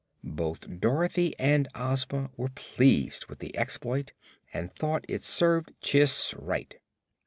Both Dorothy and Ozma were pleased with this exploit and thought it served Chiss right.